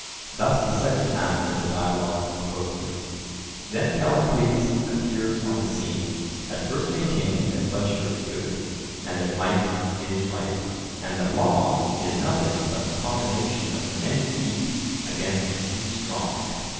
Thus the second act of the dialogue closes. Then Callicles appears on the scene, at first maintaining that pleasure is good, and that might is right, and that law is nothing but the combination of the many weak against the few strong.